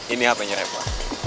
ini hapenya reva